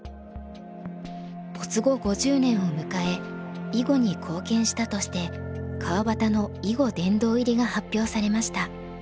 没後５０年を迎え囲碁に貢献したとして川端の囲碁殿堂入りが発表されました。